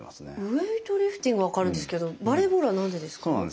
ウエイトリフティングは分かるんですけどバレーボールは何でですか？